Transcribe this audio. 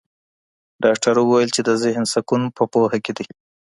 ډاکټر وویل چي د ذهن سکون په پوهه کې دی.